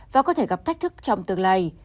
và có thể gặp thách thức trong tương lai